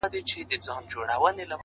داسي ژوند هم راځي تر ټولو عزتمن به يې؛